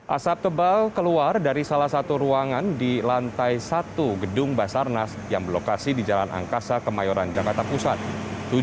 asap tebal keluar dari salah satu ruangan di lantai satu gedung basarnas yang berlokasi di jalan angkasa kemayoran jakarta pusat